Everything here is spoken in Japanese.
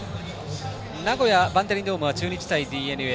名古屋バンテリンドームは中日対ＤｅＮＡ。